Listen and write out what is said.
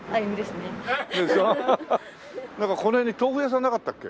なんかこの辺に豆腐屋さんなかったっけ？